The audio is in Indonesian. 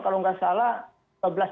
kalau nggak salah